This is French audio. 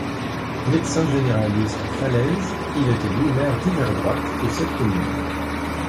Médecin généraliste à Falaise, il est élu maire divers-droite de cette commune.